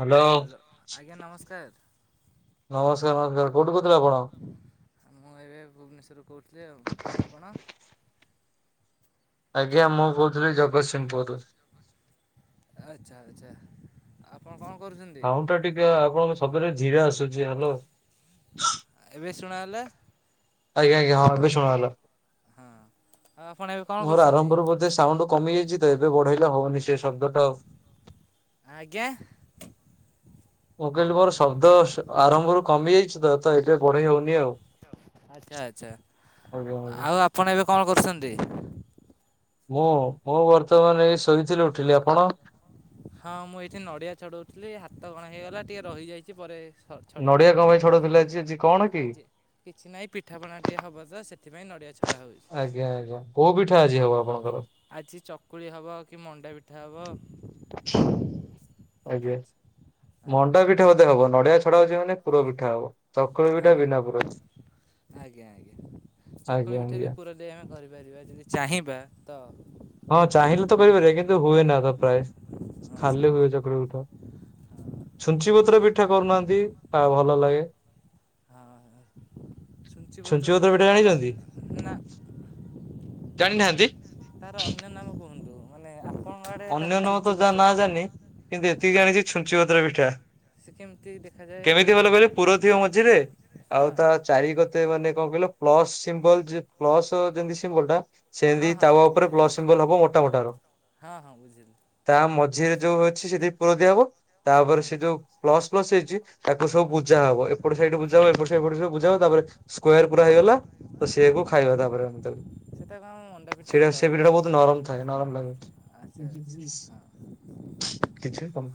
Hello! ଆଜ୍ଞା ନମସ୍କାର ନମସ୍କାର ନମସ୍କାର କୋଉଠୁ କହୁଥିଲେ ଆପଣ? ମୁଁ, ଏବେ ଭୁବନେଶ୍ୱରରୁ କହୁଥିଲି। ଆଉ ଆପଣ? ଆଜ୍ଞା, ମୁଁ କହୁଥିଲି ଜଗତସିଂହପୁର୍ ରୁ। ଆଚ୍ଛା ଆଚ୍ଛା, ଆପଣ କଣ କରୁଛନ୍ତି ସାଉଣ୍ଡ ଟା ଟିକେ ଆପଣଙ୍କ ଶବ୍ଦ ଟା ଧୀରେ ଆସୁଛି। ହାଲୋ! ଏବେ ଶୁଣା ହେଲା? ଆଞା ଆଞା ହଁ, ଏବେ ଶୁଣଗଲା। ଆଉ ଆପଣ ଏବେ କଣ ମୋର କରୁଛନ୍ତି ଆରମ୍ଭରୁ ବୋଧେ ସାଉଣ୍ଡ କମିଯାଇଛି ତ, ଏବେ ବଢେଇଲେ ହବନି ସେ ଶବ୍ଦଟା ଆଉ। ଆଜ୍ଞା। ମୁଁ, କହିଲି ମୋର ଶବ୍ଦ ଆରମ୍ଭରୁ କମିଯାଇଛି ତ, ତ ଏବେ ବଢେଇ ହଉନି ଆଉ। ଆଚ୍ଛା, ଆଚ୍ଛା, ଆଜ୍ଞା ଆଜ୍ଞା। ଆଉ ଆପଣ ଏବେ କଣ କରୁଛନ୍ତି? ମୁଁ, ମୁଁ ବର୍ତ୍ତମାନ ଏଇ ଶୋଇଥିଲି ଉଠିଲି। ଆପଣ? ହଁ, ମୁଁ ଏଇଠି ନଡିଆ ଛଡଉଥିଲି। ହାତ କଣ ହେଇଗଲା, ଟିକେ ରହିଯାଇଛି ପରେ ଛ-ଛଡେଇବି ନଡିଆ ଆଉ। କଣ ପାଇଁ ଛଡଉଥିଲେ ଆଜି ଆଜି କଣ କି? ଆଜି କିଛି ନାହିଁ, ପିଠାପଣା ଟିକେ ହବତ ସେଥ ସେଥିପାଇଁ ନଡ଼ିଆ ଛ ଆଜ୍ଞା, ଆଜ୍ଞା, କୋଉ ପିଠା ଆଜି ହବ ଆପଣଙ୍କର? ଆଜି ଚକୁଳି ହବ, କି ମଣ୍ଡା ପିଠା ହବ, ଆଜ୍ଞା, ଆଜ୍ଞା ମଣ୍ଡା ପିଠା ବଧେ ହବ। ନଡିଆ ଛଡା ହଉଛି ମାନେ ପୁର ପଠା ହବ। ଚକୁଳି ପିଠା ଆଜ୍ଞା, ବିନା ପୁର। ଆଜ୍ଞା ଆଜ୍ଞା, ଆଜ୍ଞା ଚକୁଳି ପିଠା ଆଜ୍ଞା ବି ପୁର ଦେଇଆମେ କରିବୁ। ପରିବା। ଯଦି ଚାହିଁବା ତ ହଁ ଚାହିଁଲେ ତ କରିପାରିବା କିନ୍ତୁ ହୁଏ ନା ତ ପ୍ରାୟ ଆଚ୍ଛା। ଖାଲି ହୁଏ ଚକୁଳି ପିଠା। ଛୁଞ୍ଚି ପତ୍ର ପିଠା କରୁନାହାଁନ୍ତି। ଭଲ ଲାଗେ। ହଁ ଛୁଞ୍ଚି ସୁଞ୍ଚିପତ୍ର ପତ୍ର ପିଠା ରା ନା। ଜାଣିନାହାଁନ୍ତି? ତାର ଅନ୍ୟ ନାମ କୁହନ୍ତୁ, ମାନେ ଆପଣଙ୍କ ଆଡ଼େ ତାକୁ ଅନ୍ୟ ନ ଛୁଞ୍ଚି ତ ଯା ପତ୍ର ନାଜାଣନି। କିନ୍ତୁ ଏତିକି ଆଚ୍ଛା ଜାଣିଛି ଛୁଞ୍ଚି ପତ୍ର ପିଠା। ସେ କେମିତି ଦେଖାଯାଏ କେମିତି ଭଲ କହିଲେ? ପୁର ଥିବ ମଝିରେ ଆଉ ହଁ ତା ଚାରି କତେ ମାନେ କଣ କହିଲ? ପ୍ଲସ ସିମ୍ବଲ ଯେ ପ୍ଲସ ଯେମିତି ସିମ୍ବଲ ଟା ହଁ ସେମିତି ହଁ ତାୱ ଉପରେ ବୁଝିଲି ପ୍ଲସ୍ ସିମ୍ବଲ ହବ ମୋଟ ମୋଟାର ହଁ ହଁ ବୁଝିଲି ତା ମଝିରେ ଯୋଉ ଅଛି ସେଦି ପୁର ଦିଆହବ। ତାପରେ ହଁ ସେ ଯୋଉ ପ୍ଲସ ପ୍ଲସ ହେଇଛି, ତାକୁସବୁ ହଁ ହଁ ବୁଜା ହବ। ଏପଟ ସାଇଡ୍ ବୁଝା ହବ। ଏପଢନଞ ଏପଟ ସବୁ ବୁଜାଅ, ତାପରେ ସ୍କୋୟାର ପୁରା ହେଇଗଲା। ତ ସେୟାକୁ ଖାଇବା ତାପରେ ଏମତି। ସେଟାକୁ ଆମ ମଣ୍ଡା ପିଠା ହିଁ ସେଇଟା, ସେ କୁହାଯାଏ ପିଠାଟା ବହୁତ ନରମ ଥାଏ। ନରମ ଲାଗେ। ଆଚ୍ଛା ଜିଗ୍ ଆଚ୍ଛା ଜିସ୍ କିଛି କହ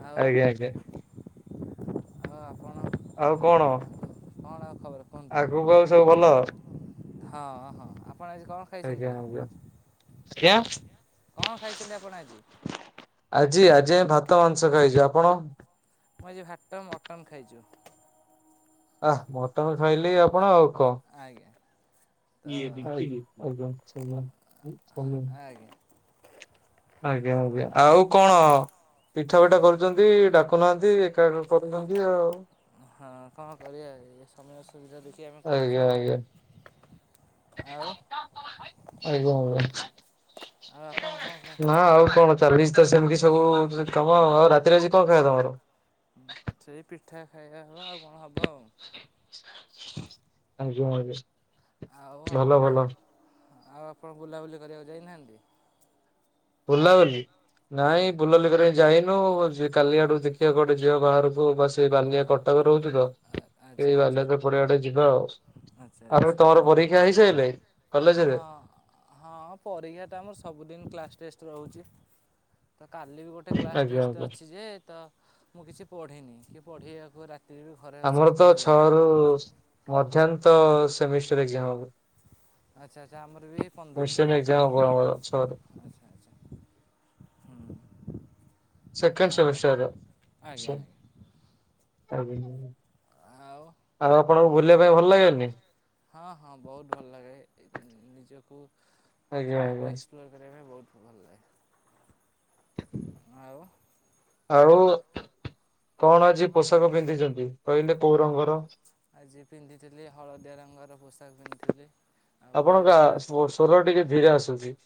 ହଁ ଆଉ ଆଜ୍ଞା ଆଜ୍ଞା ଆଉ ଆପଣ ଆଉ କଣ? କଣ ଆଉ ଖବର କୁହନ୍ତୁ ଆଗକୁ ଆଉ ସବୁ ଭଲ? ହଁ, ହଁ। ଆପଣ ଆଜି କଣ ଖାଇଛନ୍ତି? କ [unintelligible] କଣ ଖାଇଛନ୍ତି ଆପଣ ଆଜି ଆଜି ଆଜି, ଆମେ ଭାତ ମାଂସ ଖାଇଛୁ। ଆପଣ? ମୁଁ ଆଜି ଭାତ ମଟନ ଖାଇଛୁ। ଆ' ମଟନ ଖାଇଲି ଆପଣ ଆଉ। ଆଜ୍ଞା। ତ ଇଏ [unintelligible] ଆଜ୍ଞା ଆଜ୍ଞା, ହ୍ୟାଲୋ ଆଜ୍ଞା। ଆଉ କଣ? ପିଠା, ଫିଠା କରୁଛନ୍ତି, ଡାକୁନାହାନ୍ତି ଏକା, ଏକା କରୁଛନ୍ତି ଆଉ ହଁ କଣ କରିବା? ଏ ସମୟ ସୁବିଧା ଦେଖି ଆମେ କରୁଛୁ ଆଜ୍ଞା, ଆଉ ଆଜ୍ଞା। ଆଉ ଆଜ୍ଞା, ଆଜ୍ଞା। ଆଉ ଆପଣ କଣ କଣ ନା ଆଉ, କଣ? ଚାଲିଚିତ ସେମିତି ସବୁ କାମ। ହଁ ଆଉ' ରାତିରେ ଆଜି କଣ? ଏ ରହ, ରହ। ସେଇ ପିଠା ଖାଇବା ହବ। ଆଉ, କଣ ହବ? ଆଜ୍ଞା, ଆଜ୍ଞା। ଆଉ ଭଲ, ଆପଣ ଭଲ। ଆଉ ଆପଣ ବୁଲାବୁଲି କରିବାକୁ ଯାଇନାହାଁନ୍ତି। ବୁଲାବୁଲି। ନାଇଁ ବୁଲାବୁଲି କରିବାକୁ ଯାଇନି। କାଲି ଆଡୁ ଦେଖିବା ଗୋଟେ ଯିବା ବାହାରକୁ, ବା ସେ ବାଲିିଆ କଟକରେ ରହୁଛିତ। ଆଚ୍ଛା ଏଇ ଆଚ୍ଛା ବାଲିଯାତ୍ରା ପଡିଆବାଟେ ଯିବା ଆଉ ଆଚ୍ଛା ଆଉ, ଆଚ୍ଛା ତମର ହଁ ପରୀକ୍ଷା ହେଇସାଇଲେ କଲେଜରେ? ହଁ ହଁ, ପରୀକ୍ଷା ଟା ଆମର, ସବୁଦିନ କ୍ଲାସ ଟେଷ୍ଟ ରହୁଛି। ତ କାଲି ବି ଗୋଟେ କ୍ଲାସ ଆଜ୍ଞା ଟେଷ୍ଟ ଆଜ୍ଞା ଅଛି ଯେ, ତ ମୁଁ କିଛି ପଢ଼ିନି କି ପଢ଼େଇବାକୁ ରାତି ଆମର ତ ଛଅ ରୁ ମଧ୍ୟାନ୍ତ ସେମିଷ୍ଟାର, ଏକଜାମ୍ ହବ। ଆଚ୍ଛା ଆଚ୍ଛା ଆମର ବି ପନ୍ଦରରୁ କଶ୍ଚିନ୍ମ ଏକଜାମ୍ ହବ, ଆମର ଛରେ ଆଚ୍ଛା ଆଚ୍ଛା ହୁଁ ସେକେଣ୍ଡ ଆଉ ସେମିଷ୍ଟାର, ଆଜ୍ଞା କୋଶ ଆଜ୍ଞା ଆଉ ଆଉ ଆପଣଙ୍କୁ, ବୁଲିବା ପାଇଁ ଭଲ ଲାଗେନି? ହଁ, ହଁ। ବହୁତ ଭଲ ଲାଗେ, ନିଜକୁ ଆଜ୍ଞା ସମୟ, ଆଜ୍ଞା ଏକ୍ସପ୍ଲୋର କରିବାପାଇଁ ବହୁତ ଭଲ ଲାଗେ। [inaudible] [inaudible] ଆଉ, କଣ ଆଜି ପୋଷାକ ପିନ୍ଧିଛନ୍ତି? କହିଲେ କୋଉ ରଙ୍ଗର? ଆଜି ପିନ୍ଧିଥିଲି, ହଳଦୀଆ ରଙ୍ଗର ପୋଷାକ ପିନ୍ଧିଥିଲି ଆଉ ବ୍ଲୁ ଆପଣକା, ସ୍ବର-ସ୍ବରଟିକେ ଧିରେ ଆସୁଛି।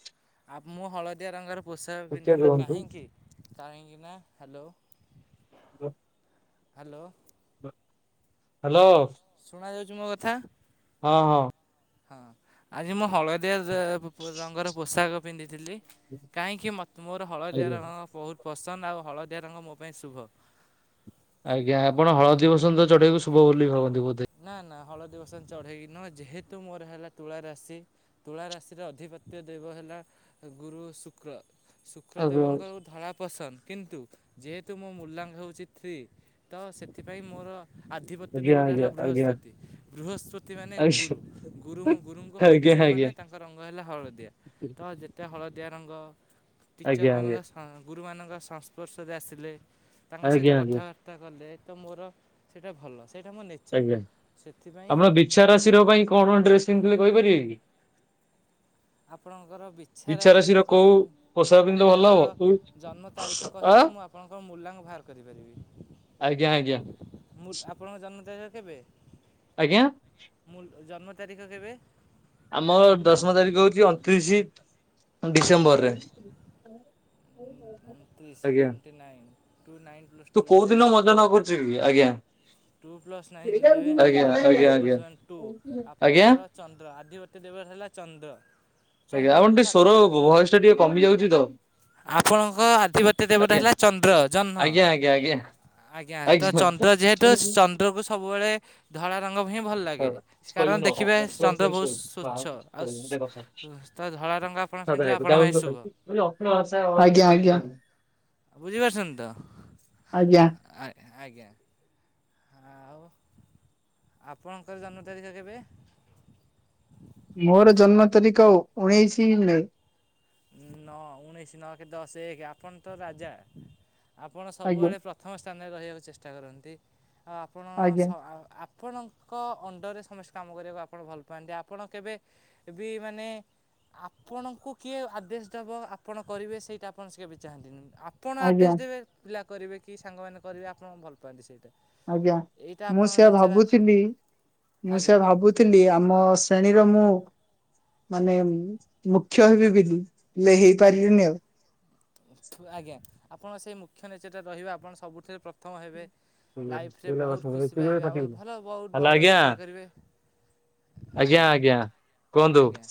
ଆ, ମୁଁ ହଳଦୀଆ ରଙ୍ଗର ପୋଷାକ ଟିକେ ପିନ୍ଧିଥିଲି ରୁହନ୍ତୁ କାହିଁକି? କାହିଁକିନା, ହାଲୋ। ହ୍ୟାଲୋ। ହାଲୋ। ହାଲୋ। ସୁଣା ଯାଉଛି ମୋ କଥା? ହଁ, ହଁ। ହଁ ଆଜି ମୁଁ ହଳଦିଆ, ଡ୍ରେ-ରଙ୍ଗର ପୋଷାକ ପିନ୍ଧିଥିଲି। କାହିଁକି ମୋତେ, ମୋର ହଳଦିଆ ଆଜ୍ଞା ରଙ୍ଗ ବହୁତ ପସନ୍ଦ, ଆଉ ହଳଦିଆ ରଙ୍ଗ ମୋ ପାଇଁ ଶୁଭ ଆଜ୍ଞା। ଆପଣ ହଳଦୀ ବସନ୍ତ ଚଢେଇକୁ ଶୁଭ ବୋଲି ଭାବନ୍ତି? ବୋଧେ ନା ନା ହଳଦୀ ହଳଦୀ ବସନ୍ତ ଚଢ଼େଇ ନୁହେଁ, ଯେହେତୁ ମୋର ହେଲା ତୁଳାରାଶି ତୁଳାରାଶିର ଅଧିପତ୍ୟ ଦେବ ହେଲା ଗୁରୁ, ଶୁକ୍ର। ଶୁକ୍ର ଆଜ୍ଞା ଦେବଙ୍କର ଧଳା ପସନ୍ଦ, କିନ୍ତୁ ଯେହେତ ତୁ, ମୋ ମୂଲ୍ୟାଙ୍କ ହେଉଛି ଥ୍ରୀ, ତ ସେଥିପାଇ ମୋର ଆଧିପତ୍ୟ ଆଜ୍ଞା ଦେବତା ଆଜ୍ଞା ହେଲା ଆଜ୍ଞା ବୃହସ୍ପତି ବୃହସ୍ପତି ମାନେ ଗୁରୁ ଗୁରୁ ଗୁରୁଙ୍କ ଆଜ୍ଞା ଆଜ୍ଞା ଆଜ୍ଞା ଗୁରୁମାନେ ତାଙ୍କ ରଙ୍ଗ ହେଲା ହ ହଳଦିଆ ତ ଯେତେ ଆ ହଳଦିଆ ରଙ୍ଗ ଆଜ୍ଞା ଆଜ୍ଞା ଟିଚରମାନଙ୍କ ସ ଗୁରୁମାନଙ୍କ ସଂସ୍ପର୍ଶରେ ଆସିଲେ ତାଙ୍କ ସହିତ ଆଜ୍ଞା ଆଜ୍ଞା କଥାବାର୍ତ୍ତା କଲେତ ମୋର ସେଇଟା ଭଲ ସେଇଟା ମୋର ଆଜ୍ଞା ଆମର ବିଛା ମୁଁ ରାଶି ର ପାଇଁ କଣ କଣ ଡ୍ରେସ୍ ପିନ୍ଧିବେ କହିପାରିବେ କି? [unintelligible] ଆପଣଙ୍କର ବିଛା ରାଶି ରାଶିର ପାଇଁ କୋଉ କହିପାରିବେନି ପୋଷାକ ପିନ୍ଧିଲେ ଭଲ ଆପଣଙ୍କର ହବ କୋଉ ଜନ୍ମ ତାରିଖ ଅ କହିଲେ ମୁଁ ଆପଣଙ୍କ ମୂଲ୍ୟାଙ୍କ ବାହାର କରିପାରିବି। ଆଜ୍ଞା ଆଜ୍ଞା ମୁଁ ଆପଣଙ୍କ ଜନ୍ମ ତାରିଖ କେବେ? ଆଜ୍ଞା। ମୁ ଜନ୍ମ ତାରିଖ କେବେ? ଆମର ଦଶମ ତାରିଖ ହଉଛି ତିରିଶ ଡିସେମ୍ବରରେ। ଅଣତିରିଶି ଆଜ୍ଞା twenty nine. Two nine plus ତୁ ଟୁ କୋଉ ଦିନ ଇଲେଭେନ୍ ମଜା ନ କରୁଛୁ କି ଆଜ୍ଞା। ଟୁ ପ୍ଲସ୍ ନାଇନ୍ ଇଲେଭେନ୍ ଆଜ୍ଞା ଇଲେଭେନ୍ ୱାନ୍ ପ୍ଲସ୍ ଆଜ୍ଞା। ୱାନ୍ ଟୁ ଆଜ୍ଞା ଆପଣଙ୍କର ଚନ୍ଦ୍ର ଆଦି ଦେବ ହେଲା ଚନ୍ଦ୍ର। ଆଜ୍ଞା ଆମ ଚନ୍ଦ୍ରକୁ ଟିକେ ସ୍ୱର ସାଧାରଣତଃ ଧର ବୟସଟା ଟିକେ କମି ଯାଉଛି ତ। ଆପଣଙ୍କ ଆଧିପତ୍ୟ ଦେବଟା ଆଜ୍ଞା। ହେଲା ଚନ୍ଦ୍ର ଜହ୍ନ। ଆଜ୍ଞା ଆଜ୍ଞା ଆଜ୍ଞା ଆଜ୍ଞା ତ ଚନ୍ଦ୍ର ଯେହେତୁ କିଛି ଚନ୍ଦ୍ର କୁ ସବୁବେଳେ ଧଳା ରଙ୍ଗ ବି ହିଁ ଭଲ ଲାଗେ କାରଣ କହିବୁନୁ ଦେଖିବେ ଚନ୍ଦ୍ର ବହୁତ ସ୍ୱଚ୍ଛ ଆଉ ସ [unintelligible] ଆଜ୍ଞା ଆଜ୍ଞା। ବୁଝିପାରୁଛନ୍ତି ତ ଆଜ୍ଞା ଆ ଆଜ୍ଞା। ଆଉ ଆପଣଙ୍କର ଜନ୍ମ ତାରିଖ କେବେ? ମୋର ଜନ୍ମ ତାରିଖ ଉଣେଇଶି ମେ। ନଅ ଉଣେଇଶି ନଅ ଏକ ଦଶ ଏକ ଆପଣ ତ ରାଜା। ଆପଣ ଆଜ୍ଞା ସବୁବେଳେ ପ୍ରଥମ ସ୍ଥାନରେ ରହିବାକୁ ଚେଷ୍ଟା କରନ୍ତି। ଆଉ ଆପଣ ସ ଆଜ୍ଞା ଆପଣଙ୍କ ଅଣ୍ଡରରେ ସମସ୍ତେ କାମ କରିବାକୁ ଆପଣ ଭଲ ପାଆନ୍ତି ଆପଣ କେବେ ବି ମାନେ ଆପଣଙ୍କୁ କିଏ ଆଦେଶ ଦେବ ଆପଣ କରିବେ ସେଇଟା ଆପଣ ସେ କେବେ ଚାହାନ୍ତିନି ଆପଣ ଆଦେଶ ଆଜ୍ଞା ଦେବେ ପିଲା କରିବେ କି ସାଙ୍ଗମାନେ କରିବେ ଆପଣ ଭଲ ପାଆନ୍ତି ସେଇଟା। ଆଜ୍ଞା ଏଇଟା ମୁଁ ଆପଣଙ୍କ ସେଆ ନେଚର ଭାବୁଥିଲି ମୁଁ ଆଜ୍ଞା ସେ ଭାବୁଥିଲି ଆମ ଶ୍ରେଣୀ ମୁଁ ମାନେ ମୁଖ୍ୟ ହେବି ବିଲିି। ଆଜ୍ଞା ଆଜ୍ଞା। ଆପଣ ସେହି ମୁଖ୍ୟ ନେଚରଟା ରହିବେ ଆପଣ ସବୁଠାରେ ପ୍ରଥମ ହେବେ। ଲାଇଫରେ ବହୁତ ଖୁସି ପାଇବେ ଆଉ ହ୍ୟାଲୋ ଭଲ ବହୁତ ବଡ଼ ଆଜ୍ଞା ଚାକିରି କରିବେ। ଆଜ୍ଞା କୁହନ୍ତୁ ଆଜ୍ଞା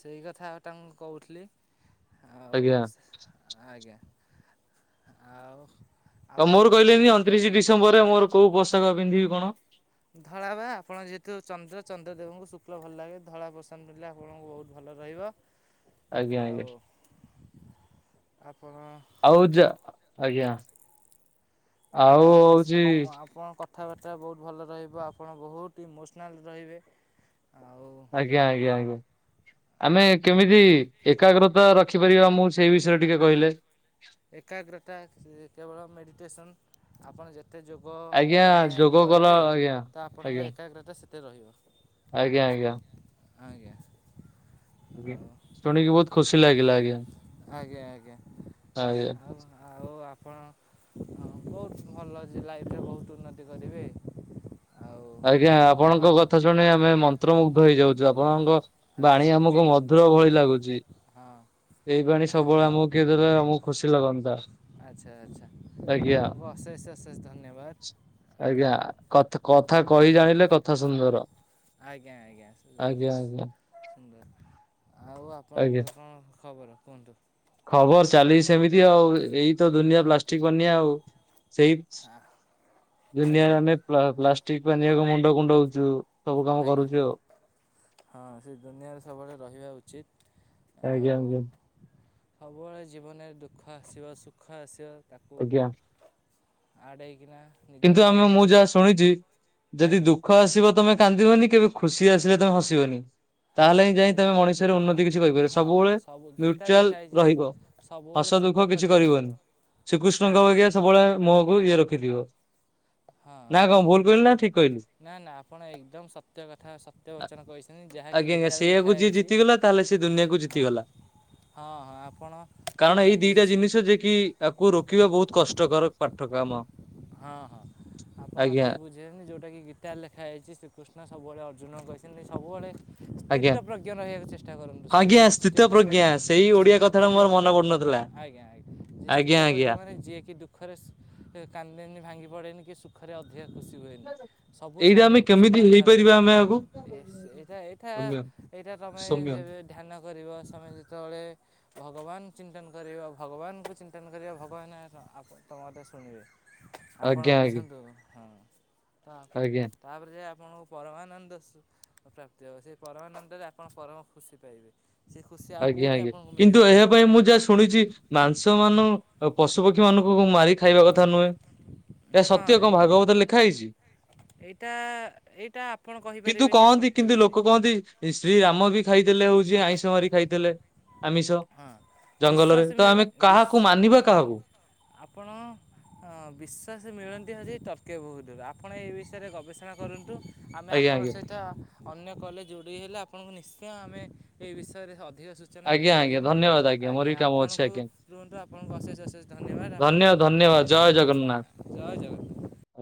ସେଇ କଥା ତାଙ୍କୁ କହୁଥିଲି। ହଉ ଆଜ୍ଞା ଆଜ୍ଞା ଆଉ। ଆଉ ଆପଣ ମୋର କହିଲେନି ଅଣତିରିଶ ଡିସେମ୍ବରରେ ମୋର କୋଉ ପୋଷାକ ପିନ୍ଧିବି କଣ? ଧଳା ବା ଆପଣ ଯେହେତୁ ଚନ୍ଦ୍ର ଚନ୍ଦ୍ରଦେବଙ୍କୁ ଶୁକ୍ଲ ଭଲ ଲାଗେ ଧଳା ପସନ୍ଦ ନିଲେ ଆପଣଙ୍କୁ ବହୁତ ଭଲ ଭଲ ରହିବ। ଆଜ୍ଞା ଆଜ୍ଞା। ଆଉ ଆପଣ ଆଉ ଯ ଆଜ୍ଞା। ଆପଣ ଆଉ ହଉଛି। ଆପଣ ଆପଣ କଥାବାର୍ତ୍ତା ବହୁତ ଭଲ ରହିବ ଆପଣ ବହୁତ ଇମୋସନାଲ୍ ରହିବେ ଆଉ ଆଜ୍ଞା ଆଜ୍ଞା ଆଜ୍ଞା। ଆମେ କେମିତି ଏକାଗ୍ରତା ରଖିପାରିବା ମୁଁ ସେଇ ବିଷୟରେ ଟିକେ କହିଲେ? ଏକାଗ୍ରତା କେବଳ ମେଡିଟେସନ ଆପଣ ଯେ ଏତେ ଯୋଗ ଆଜ୍ଞା ପ୍ରାଣାୟାମ ଯୋଗ କଲ କରିବେ ଆଜ୍ଞା ତ ଆପଣଙ୍କ ଆଜ୍ଞା ଏକାଗ୍ରତା ସେତେ ରହିବ। ଆଜ୍ଞା ଆଜ୍ଞା। ଆଜ୍ଞା। ଆଉ ଶୁଣିକି ବହୁତ ଖୁସି ଲାଗିଲା ଆଜ୍ଞା। ଆଜ୍ଞା ଆଜ୍ଞା। ଆଜ୍ଞା। ଆଉ ଆଉ ଆପଣ ବହୁତ ଭଲ ଅଛି ଲାଇଫରେ ବହୁତ ଉନ୍ନତି କରିବେ। ଆଉ ଆଜ୍ଞା ମନ ଆପଣଙ୍କ କଥା ଶୁଣି ଆମେ ମନ୍ତ୍ରମୁଗ୍ଧ ହେଇଯାଉଛୁ। ଆପଣଙ୍କ ବାଣୀ ଆଚ୍ଛା ଆଚ୍ଛା ଆମକୁ ମଧୁ ର ଭଳି ଲାଗୁଛି। ହଁ ଏଇ ବାଣୀ ସବୁବେଳେ ଆମକୁ କିଏ ଦେଲେ ଆମକୁ ଖୁସି ଲାଗନ୍ତା ଆଚ୍ଛା ଆଚ୍ଛା ଆଜ୍ଞା। ଆପଣଙ୍କୁ ଅଶେଷ ଅଶେଷ ଧନ୍ୟବାଦ ଆଜ୍ଞା କଥା କଥା କହି ଜାଣିଲେ କଥା ସୁନ୍ଦର। ଆଜ୍ଞା ଆଜ୍ଞା ସୁ- ଆଜ୍ଞା ସୁ ଆଜ୍ଞା ସୁନ୍ଦର ଆଉ ଆଜ୍ଞା। ଆପଣଙ୍କ କଣ? ଖବର କୁହନ୍ତୁ। ଖବର ଚାଲିଚି ସେମିତି ଆଉ ଏଇ ତ ଦୁନିଆ ପ୍ଲାଷ୍ଟିକ ପାନିଆ ଆଉ। ସେଇ ଆଜ୍ଞା ଦୁନିଆରେ ଆଜ୍ଞା ଆମେ ପ୍ଲାଷ୍ଟିକ ପାନିଆକୁ ମୁଣ୍ଡ କୁଣ୍ଡଉଛୁ। ସବୁ କାମ ଆଜ୍ଞା କରୁଛୁ ଆଉ। ହଁ ସେ ଦୁନିଆରେ ସବୁବେଳେ ରହିବା ଉଚିତ। ଆଜ୍ଞା ଆଉ ଆଜ୍ଞା। ସବୁବେଳେ ଜୀବନରେ ଦୁଃଖ ଆସିବ ସୁଖ ଆସିବ ତାକୁ ଆଜ୍ଞା ଆଡ଼େଇକିନା ନିଜ କିନ୍ତୁ ଆମେ ମୁଁ କର୍ମରେ ଯାହା ଶୁଣିଛି ଯଦି ଆଜ୍ଞା ଦୁଃଖ ଆସିବ ତମେ କାନ୍ଦିବନି, କେବେ ଖୁସି ଆସିଲେ ତମେ ହସିବନି। ହଁ ତାହେଲେ ହିଁ ଯାଇ ସେ ତମେ ମଣିଷରେ ଉନ୍ନତି କିଛି କରିପାର, ହଁ ସବୁବେଳେ ସବୁ ଗୀତାରେ ନ୍ୟୁଟ୍ରାଲ ଲେଖା ହେଇଛି ରହିବ। ହସ ସବୁବେଳେ ଦୁଃଖ କିଛି ଶୀତପ୍ରଜ୍ଞ କରିବନି। ରହିବ। ଶ୍ରୀକୃଷ୍ଣଙ୍କ ହଁ ବାଗିଆ ସବୁବେଳେ ମୁହଁକୁ ଇଏ ରଖିଥିବ। ହଁ ନା କଣ ଭୁଲ କହିଲି ନା ଠିକ କହିଲି? ନା ନା ଆପଣ ଏକଦମ ସତ୍ୟ କଥା ସତ୍ୟ ଆ- ବଚନ କହିଛନ୍ତି, ଯାହାକି ଆଜ୍ଞା ଆଜ୍ଞା ଗୀତାରେ ସେଇଆକୁ ଲେଖା ଯିଏ ହେଇଛି ଜିତିଗଲା ତାହେଲେ ସେ ଦୁନିଆକୁ ହଁ ଜିତିଗଲା। ହଁ ହଁ ଆପଣ କାରଣ ଠିକ୍ ଏଇ ଦିଟା ବୁଝି ଜିନିଷ ଯେ କିି ଆକୁ ରୋକିବା ବହୁତ କଷ୍ କଷ୍ଟକର ପାଠ୍ୟକ୍ରାମ। ହଁ ହଁ ଆପଣ ଠିକ୍ ବୁଝିଛନ୍ତି, ଯାଉଟାକି ଗୀତାରେ ଲେଖା ହୋଇଛି ଶ୍ରୀକୃଷ୍ଣ ସବୁବେଳେ ଅ ର୍ଜୁନଙ୍କୁ କହିଛନ୍ତି ସବୁବେଳେ ଆଜ୍ଞା ସ୍ଥିିତପ୍ରଜ୍ଞ ରହିବାକୁ ଚେଷ୍ଟା କରନ୍ତୁ, ଆଜ୍ଞା ସବୁବେଳେ ସ୍ ସ୍ଥିତ ପ୍ରଜ୍ଞା ସେଇ ଓଡିଆ ସ୍ଥିିତ କଥାଟା ପ୍ରଜ୍ଞ ମୋର ମାନେ ମନେ ପଡୁନଥିଲା। ଆଜ୍ଞା ଆଜ୍ଞା ଆଜ୍ଞା ଯେଷ୍ଠିତପ୍ରଜ୍ଞ ଆଜ୍ଞା ମାନେ ଯିଏକି ଦୁଃଖରେ କାନ୍ଦ ନ୍ଦେନି କି ଭାଙ୍ଗି ପଡ଼େନି କି ସୁଖରେ ଅଧିକା ଖୁସି ହୁଏନି, ସବୁ ଏଇଟା ଆମେ ସମୟକୁ କେମିତି ସମାନ ଭାବେ। ହେଇପାରିବା ଆମେ ଆକୁ ବେଶ ଏଇଟା ଏଇଟା ସୌମ୍ୟ ଏଇଟା ତମେ ସୌମ୍ୟ ଯେବେ ଧ୍ୟାନ କରିବ, ତମେ ଯେତେବେଳେ ଭଗବାନ ଚିନ୍ତନ କରିବ ଭଗବାନଙ୍କୁ ଚିନ୍ତନ କରିବା, ଭଗବାନ ତମ କଥା ଶୁଣିବେ। ଆପଣ ଆଜ୍ଞା ଆଜ୍ଞା ବୁଝନ୍ତୁ ହୁଁ। ତା ଆଜ୍ଞା ତାପରେ ଯାଇ ଆ ଆପଣଙ୍କୁ ପରମାନମାନନ୍ଦ ପ୍ରାପ୍ତି ହବ, ସେଇ ପରମାନନ୍ଦରେ ଆପଣ ପରମ ଖୁସି ପାଇବେ। ସେ ଖୁସି ଆଉ ଆଜ୍ଞା କେଉଁଠି ଆଜ୍ଞା ଆପଣଙ୍କୁ କିନ୍ତୁ ମିଳିବନି। ଏହା ପାଇଁ ମୁଁ ଯାହା ଶୁଣିଛି ମାଂସ ମାନ ପଶୁପକ୍ଷୀ ପକ୍ଷୀ ମାନଙ୍କୁ ମାରି ଖାଇବା କଥା ନୁହେଁ, ଏହା ହଁ ସତ୍ୟ କଣ ଏଇ ଭାଗବତରେ ଲେଖା ହେଇଛି? ଏଇଟା ଏଇଟା ଆପଣ କିନ୍ତୁ କହିପାରିବେନି କହନ୍ତି ସତ୍ୟ କିନ୍ତୁ ବୋଲି। ଲୋକ କହନ୍ତି ଶ୍ରୀ ରାମ ବି ଖାଇଥିଲେ ହଉଛି ଆଇଁଷ ମାରି ଖାଇଥିଲେ। ଆମିଷ। ହଁ ଜଙ୍ଗଲରେ ବିଶ୍ୱାସ ତ ମିଳେ ଆମେ ବିଶ କାହାକୁ ମାନିବା କହିଲି କାହାକୁ? ଆପଣ ବିଶ୍ଵାସ ମିଳନ୍ତି ଆଜି ତ ତର୍କ ବହୁତ୍। ଆପଣ ଏ ବିଷୟରେ ଗବେଷଣା କରନ୍ତୁ, ଆମେ ଆଜ୍ଞା ଆଜ୍ଞା ଆପଣଙ୍କ ସହିତ ଅନ୍ୟ କଲ୍ ରେ ଯୋଡି ହେଲେ, ଆପଣଙ୍କୁ ନିଶ୍ଚୟ ଆମେ ଏଇ ବିଷୟରେ ଅଧିକ ସୂଚନା ଦେଇ ଆଜ୍ଞା ଆଜ୍ଞା କରିପାରିବୁ। ଧନ୍ୟବାଦ ମୋର ଆଜ୍ଞା ବି କାମ ଅଛି ଆପଣଙ୍କୁ ଆଜ୍ଞା ରୁହନ୍ତୁ ଆପଣଙ୍କୁ ଅଶେଷ ଅଶେଷ ଧନ୍ୟବାଦ ଆପଣ ଧନ୍ୟ ମୁଁ ଧନ୍ୟବାଦ ଟିକିଏ କାମ ଜୟ ଜଗନ୍ନାଥ। ଜୟ ଜଗନ୍ନାଥ